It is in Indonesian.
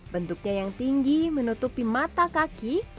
bentuknya yang tinggi menutupi mata kaki